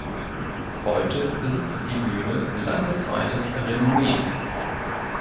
Heute besitzt die Bühne landesweites Renommee.